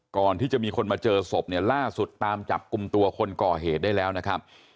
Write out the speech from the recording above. ก่อนที่จะมีคนมาเจอศพเนี่ยล่าสุดตามจับกลุ่มตัวคนก่อเหตุได้แล้วนะครับ